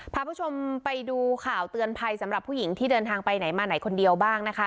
พาผู้ชมไปดูข่าวเตือนภัยสำหรับผู้หญิงที่เดินทางไปไหนมาไหนคนเดียวบ้างนะคะ